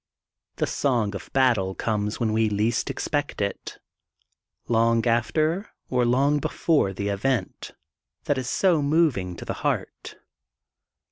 The song of battle comes when we least expect ' it, long after or long before the event that is so mov ing to the heart.